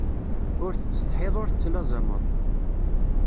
Ur tettsetḥiḍ ur tettlazamed.